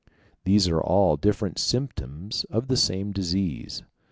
These are all different symptoms of the same disease.